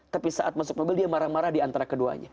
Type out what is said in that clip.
tapi saat masuk mobil dia marah marah diantara keduanya